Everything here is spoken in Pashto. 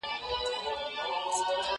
اوبولې یې ریشتیا د زړونو مراندي